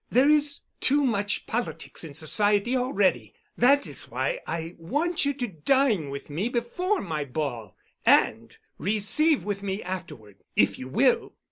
There is too much politics in society already. That is why I want you to dine with me before my ball, and receive with me afterward, if you will."